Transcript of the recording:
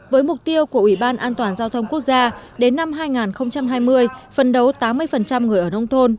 với mục tiêu của ủy ban an toàn giao thông quốc gia đến năm hai nghìn hai mươi phân đấu tám mươi người ở nông thôn